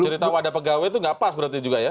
cerita wadah pegawai itu nggak pas berarti juga ya